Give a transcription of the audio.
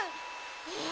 え！